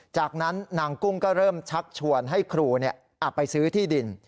จากนั้นนางกุ้งก็เริ่มชักชวนให้ครูไปซื้อที่ดิน